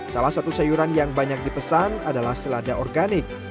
salah satu sayuran yang banyak dipesan adalah selada organik